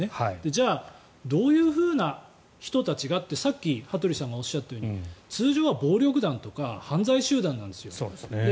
じゃあどういうふうな人たちがってさっき羽鳥さんがおっしゃったように通常は暴力団とか犯罪集団なんですよ。